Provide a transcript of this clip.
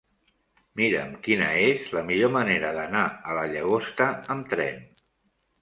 Mira'm quina és la millor manera d'anar a la Llagosta amb tren.